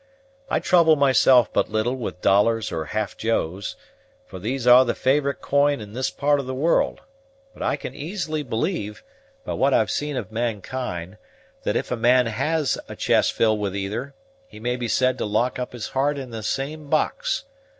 I trouble myself but little with dollars or half joes, for these are the favoryte coin in this part of the world; but I can easily believe, by what I've seen of mankind, that if a man has a chest filled with either, he may be said to lock up his heart in the same box.